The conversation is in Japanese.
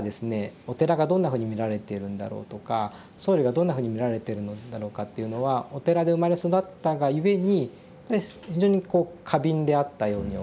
お寺がどんなふうに見られているんだろうとか僧侶がどんなふうに見られているのだろうかというのはお寺で生まれ育ったが故に非常にこう過敏であったように思います。